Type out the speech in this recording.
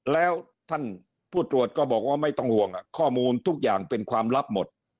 แล้วท่านผู้ตรวจก็บอกว่าไม่ต้องห่วงข้อมูลทุกอย่างเป็นความลับหมด